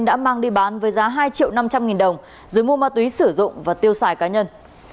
đã mang đi bán với giá hai triệu năm trăm linh nghìn đồng rồi mua ma túy sử dụng và tiêu xài cá nhân